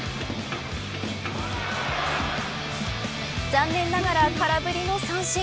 残念ながら空振りの三振。